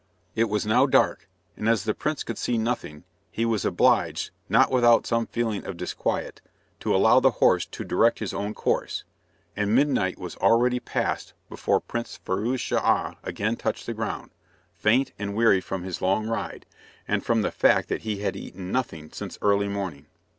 It was now dark, and as the prince could see nothing, he was obliged, not without some feeling of disquiet, to allow the horse to direct his own course, and midnight was already passed before Prince Firouz Schah again touched the ground, faint and weary from his long ride, and from the fact that he had eaten nothing since early morning.